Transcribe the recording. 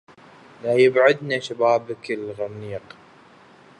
لا يبعدن شبابك الغرنيق